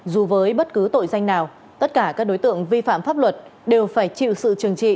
dù với bất cứ tội danh nào tất cả các đối tượng vi phạm pháp luật đều phải chịu sự trừng trị